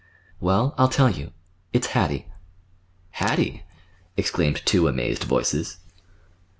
"Well, I'll tell you. It's Hattie." "Hattie!" exclaimed two amazed voices.